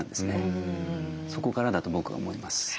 そこからだと僕は思います。